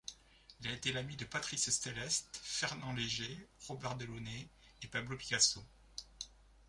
Il a été l'ami de Patrice Stellest, Fernand Léger, Robert Delaunay et Pablo Picasso.